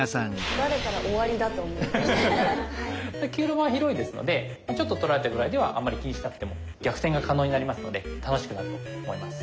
９路盤は広いですのでちょっと取られたぐらいではあんまり気にしなくても逆転が可能になりますので楽しくなると思います。